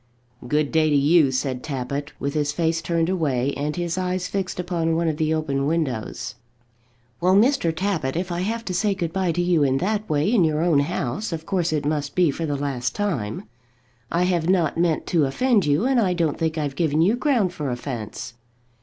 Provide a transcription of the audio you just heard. "Good day to you," said Tappitt, with his face turned away, and his eyes fixed upon one of the open windows. "Well, Mr. Tappitt, if I have to say good bye to you in that way in your own house, of course it must be for the last time. I have not meant to offend you, and I don't think I've given you ground for offence."